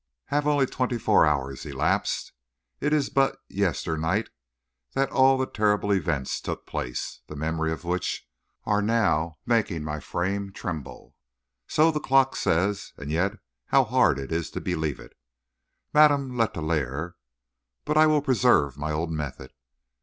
Have only twenty four hours elapsed? Is it but yesternight that all the terrible events took place, the memory of which are now making my frame tremble? So the clock says, and yet how hard it is to believe it. Madame Letellier But I will preserve my old method.